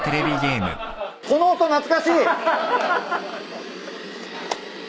この音懐かしい！